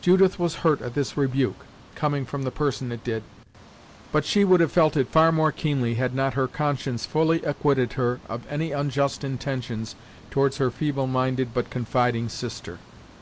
Judith was hurt at this rebuke, coming from the person it did, but she would have felt it far more keenly had not her conscience fully acquitted her of any unjust intentions towards her feeble minded but confiding sister.